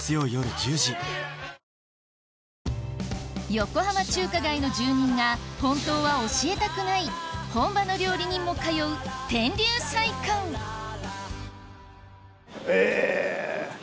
横浜中華街の住人が本当は教えたくない本場の料理人も通う天龍菜館へぇ。